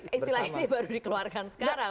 ya tapi istilah ini baru dikeluarkan sekarang